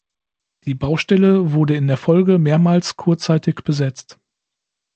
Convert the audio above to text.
Die Baustelle wurde in der Folge mehrmals kurzzeitig besetzt.